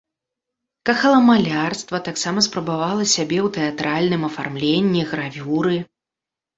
Кахала малярства, таксама спрабавала сябе ў тэатральным афармленні, гравюры.